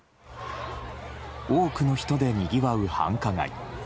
多くの人でにぎわう繁華街。